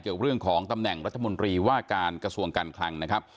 เรื่องของตำแหน่งรัฐมนตรีว่าการกระทรวงการคลังนะครับ